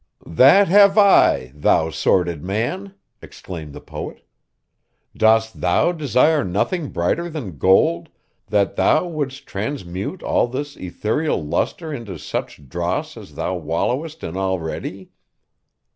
'That have I, thou sordid man!' exclaimed the poet. 'Dost thou desire nothing brighter than gold that thou wouldst transmute all this ethereal lustre into such dross as thou wallowest in already?